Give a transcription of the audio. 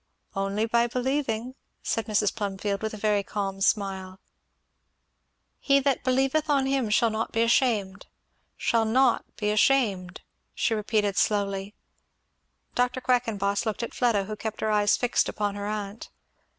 "Only by believing," said Mrs. Plumfield with a very calm smile. "'He that believeth on him shall not be ashamed;' 'shall not be ashamed!'" she repeated slowly. Dr. Quackenboss looked at Fleda, who kept her eyes fixed upon her aunt.